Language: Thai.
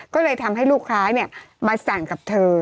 ก็เลยทำให้ลูกค้ามาสั่งกับเธอ